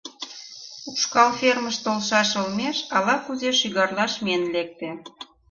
Ушкал фермыш толшаш олмеш ала-кузе шӱгарлаш миен лекте.